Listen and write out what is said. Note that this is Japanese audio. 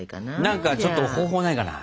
何かちょっと方法ないかな？